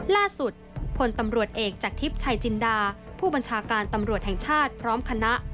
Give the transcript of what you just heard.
ล่าสุดพลตำรวจเอกจากทิพย์ชัยจินดาผู้บัญชาการตำรวจแห่งชาติพร้อมคณะ